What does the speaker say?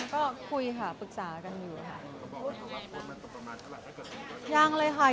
อ๋อใกล้คุยค่ะปรึกษากันยังว่าความผิด๑๙๖๙